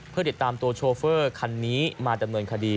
เพื่อติดตามตัวโชเฟอร์คันนี้มาดำเนินคดี